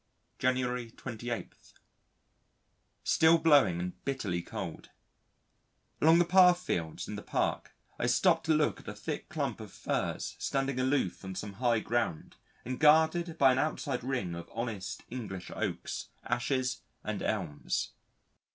January 28. Still blowing and bitterly cold. Along the path fields in the Park I stopped to look at a thick clump of Firs standing aloof on some high ground and guarded by an outside ring of honest English Oaks, Ashes and Elms.